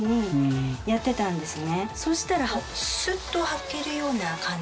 そしたら。